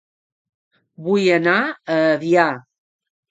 Vull anar a Avià